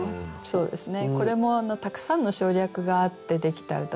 そうですね。